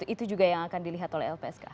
itu juga yang akan dilihat oleh lpsk